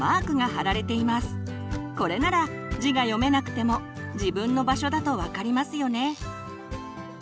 これなら字が読めなくても自分の場所だと分かりますよね。